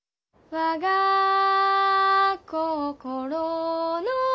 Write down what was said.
「我が心の」